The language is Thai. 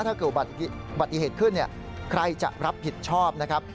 ถ้าเกิดอุบัติเหตุขึ้นใครจะรับผิดชอบนะครับ